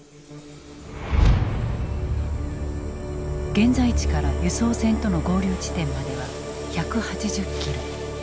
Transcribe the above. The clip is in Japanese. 現在地から輸送船との合流地点までは１８０キロ。